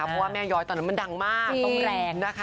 เพราะว่าแม่ย้อยตอนนั้นมันดังมากต้องแรงนะคะ